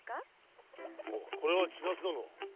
これは千奈津殿。